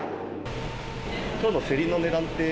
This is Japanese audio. きょうの競りの値段って？